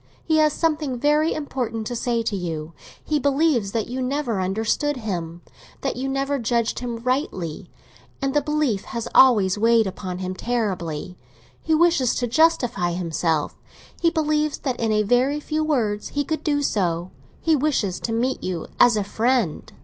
He has something very important to say to you. He believes that you never understood him—that you never judged him rightly, and the belief has always weighed upon him terribly. He wishes to justify himself; he believes that in a very few words he could do so. He wishes to meet you as a friend."